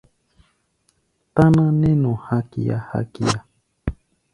Táná nɛ́ nɔ hakia-hakia.